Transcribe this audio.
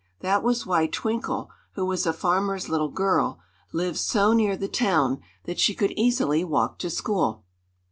That was why Twinkle, who was a farmer's little girl, lived so near the town that she could easily walk to school.